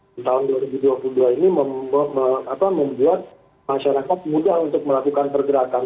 di tahun dua ribu dua puluh dua ini membuat masyarakat mudah untuk melakukan pergerakan